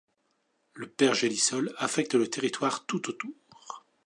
Le pergélisol affecte le territoire tout autour.